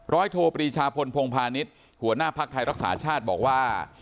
ร้อยโทษปริชาพลพงภานิษฐ์หัวหน้าภาคไทยรักษาชาตรบอกว่า